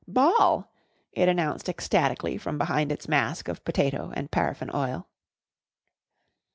"Ball!" it announced ecstatically from behind its mask of potato and paraffin oil.